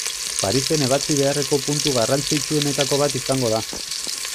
Parisen ebatzi beharreko puntu garrantzitsuenetako bat izango da.